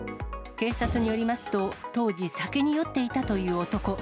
警察によりますと、当時、酒に酔っていたという男。